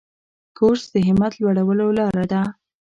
کورس د همت لوړولو لاره ده.